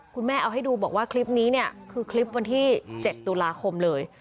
คุณแม่เอาให้ดูบอกว่าคลิปนี้เนี่ยคือคลิปวันที่๗ตุลาคมเลย